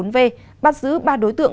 bốn trăm hai mươi bốn v bắt giữ ba đối tượng